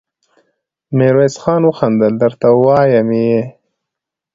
ميرويس خان وخندل: درته وايم يې!